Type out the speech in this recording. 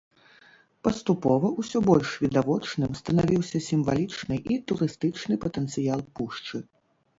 Паступова ўсё больш відавочным станавіўся сімвалічны і турыстычны патэнцыял пушчы.